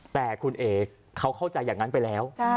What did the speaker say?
แต่คุณเอ๋เขาเข้าใจอย่างนั้นไปแล้ว